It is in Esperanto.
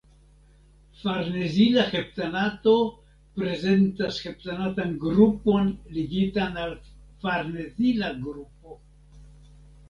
Farnezila heptanato prezentas heptanatan grupon ligitan al farnezila grupo.